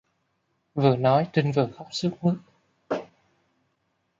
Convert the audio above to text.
Vừa nói Trinh vừa khóc sướt mướt